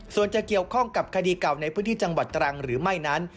ส่วนจะเกี่ยวข้องกับคดีเก่าในพื้นที่จังหวัดตรังหรือไม่นั้น